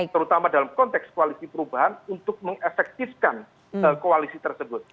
terutama dalam konteks koalisi perubahan untuk mengefektifkan koalisi tersebut